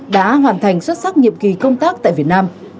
đã hoàn thành xuất sắc nhiệm kỳ công tác tại việt nam